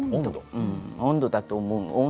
温度だと思う。